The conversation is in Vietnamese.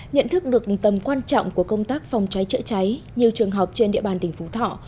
nhận thức được tầm quan trọng của công tác phòng cháy chữa cháy nhiều trường học trên địa bàn tỉnh phú thọ